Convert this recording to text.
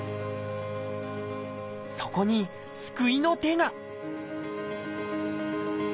そこに救いの手が！